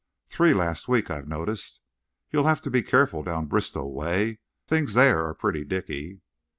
Three last week, I noticed. You'll have to be careful down Bristol way. Things there are pretty dicky."